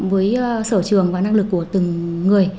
với sở trường và năng lực của từng người